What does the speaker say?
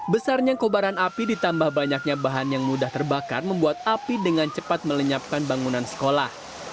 besarnya kobaran api ditambah banyaknya bahan yang mudah terbakar membuat api dengan cepat melenyapkan bangunan sekolah